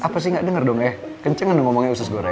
apa sih nggak denger dong ya kenceng anda ngomongnya usus goreng